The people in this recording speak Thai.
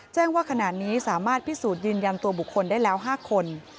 แจ้งว่าขณะนี้สามารถพิสูจน์ยืนยันตัวบุคคลได้แล้ว๕คน